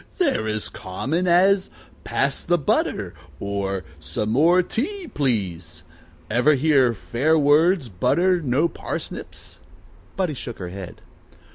"They're as common as, Pass the butter, or, Some more tea, please. Ever hear, Fair words butter no parsnips?" Buddie shook her head.